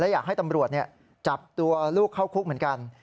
อยากให้ตำรวจจับตัวลูกเข้าคุกเหมือนกัน